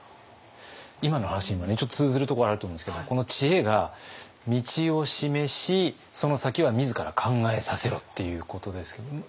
今の話にもねちょっと通ずるところあると思うんですけどこの知恵が「道を示しその先は自ら考えさせろ」っていうことですけど。